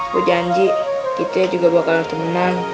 gua janji kita juga bakalan temenan